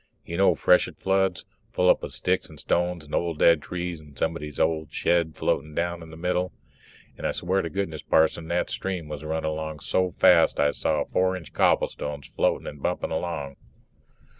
You know freshet floods? Full up with sticks and stones and old dead trees and somebody's old shed floatin' down the middle. And I swear to goodness, Parson, that stream was running along so fast I saw four inch cobblestones floating and bumping along.